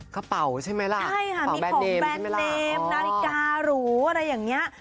กระเป๋าใช่ไหมล่ะใช่ค่ะมีของแบรนด์เนมนาฬิการูอะไรอย่างเงี้ย